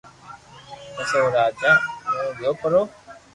پسو او راجا اووہ گيو پرو